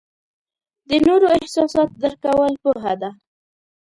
د نورو احساسات درک کول پوهه ده.